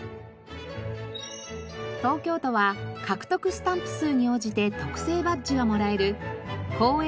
東京都は獲得スタンプ数に応じて特製バッジがもらえる公園